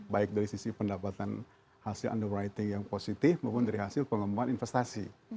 baik dari sisi pendapatan hasil underwriting yang positif maupun dari hasil pengembangan investasi